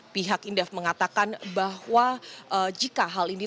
pihak indef mengatakan bahwa jika hal ini